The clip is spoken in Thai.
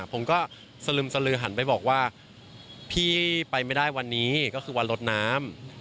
ผมก็สลึมสลือหันไปบอกว่าพี่ไปไม่ได้วันนี้ก็คือวันลดน้ำ